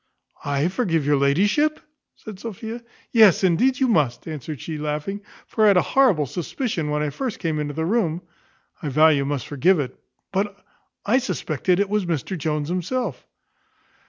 "I forgive your ladyship!" said Sophia. "Yes, indeed you must," answered she, laughing; "for I had a horrible suspicion when I first came into the room I vow you must forgive it; but I suspected it was Mr Jones himself."